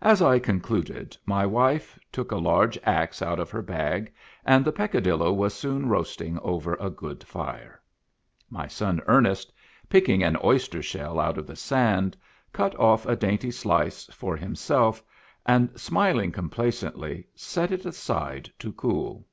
As I concluded, my wife took a large axe out of her bag, and the Peccadillo was soon roasting over a good fire. My son Ernest, picking an oyster shell out of the sand, cut off a dainty slice for himself, and, smiling complacently, set it aside to cool.